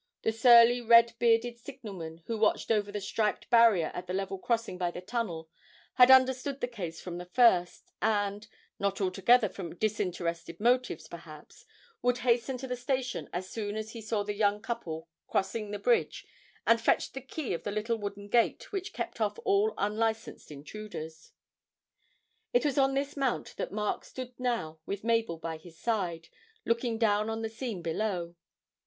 The surly, red bearded signalman who watched over the striped barrier at the level crossing by the tunnel had understood the case from the first, and (not altogether from disinterested motives, perhaps) would hasten to the station as soon as he saw the young couple crossing the bridge and fetch the key of the little wooden gate which kept off all unlicensed intruders. It was on this mount that Mark stood now with Mabel by his side, looking down on the scene below.